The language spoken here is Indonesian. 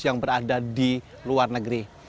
yang berada di luar negeri